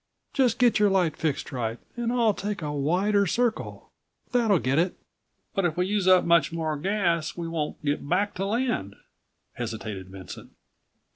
Just get your light fixed right and I'll take a wider circle. That'll get it." "But if we use up much more gas we won't get back to land," hesitated Vincent.